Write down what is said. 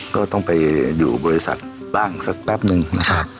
ก็ต้องไปอยู่บริษัทบ้างสักแป๊บนึงนะครับ